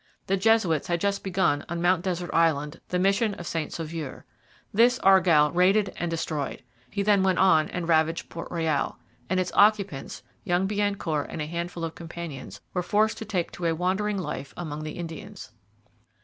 The Jesuits had just begun on Mount Desert Island the mission of St Sauveur. This Argall raided and destroyed. He then went on and ravaged Port Royal. And its occupants, young Biencourt and a handful of companions, were forced to take to a wandering life among the Indians.